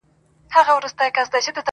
چي يو ځل بيا څوک په واه ،واه سي راته~